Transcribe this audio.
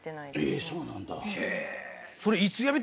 えっそうなんだ。